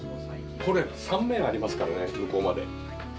これ、３面ありますからね、向こうまで。